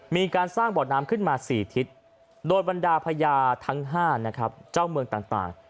มีการสร้างบ่อน้ำขึ้นมา๔ทิศโดยบรรดาพญาทั้ง๕นะครับเจ้าเมืองต่าง